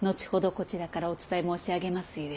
こちらからお伝え申し上げますゆえ。